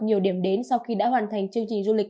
nhiều điểm đến sau khi đã hoàn thành chương trình du lịch